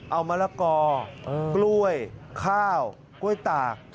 เอามะละกอกล้วยข้าวกล้วยตาก